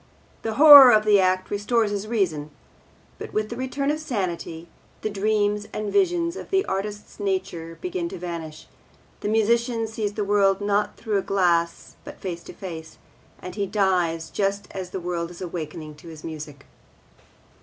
The horror of the act restores his reason; but, with the return of sanity, the dreams and visions of the artist's nature begin to vanish; the musician sees the world not through a glass but face to face, and he dies just as the world is awakening to his music.